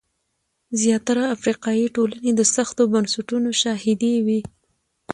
زیاتره افریقایي ټولنې د سختو بنسټونو شاهدې وې.